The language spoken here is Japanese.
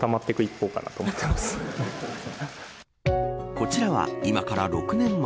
こちらは今から６年前。